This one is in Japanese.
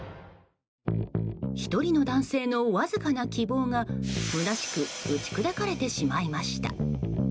１人の男性のわずかな希望がむなしく打ち砕かれてしまいました。